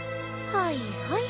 はいはい。